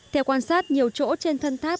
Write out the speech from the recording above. theo quan sát nhiều chỗ trên thân tháp